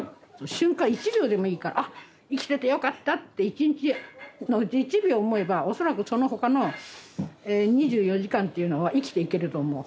瞬間１秒でもいいから「あ生きててよかった」って１日のうち１秒思えば恐らくその他の２４時間っていうのは生きていけると思う。